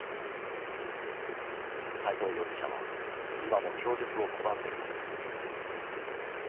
斎藤容疑者は今も供述を拒んでいます。